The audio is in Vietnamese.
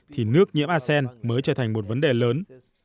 thì nước nhiễm asean mới trở thành một vấn đề lớn